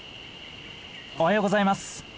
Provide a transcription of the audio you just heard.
おはようございます。